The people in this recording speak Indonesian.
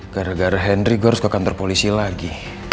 gara gara henry gue harus ke kantor polisi lagi